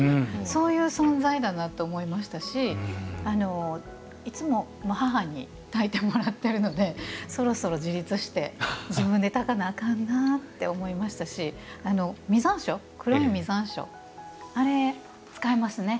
そういう存在だなって思いましたしいつも、母にたいてもらってるのでそろそろ自立して自分で、たかなあかんなって思いましたし黒い実山椒あれ、使えますね。